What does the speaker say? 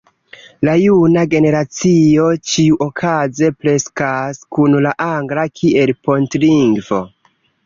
la juna generacio ĉiuokaze kreskas kun la angla kiel pontlingvo.